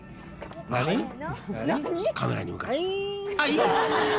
［カメラに向かって］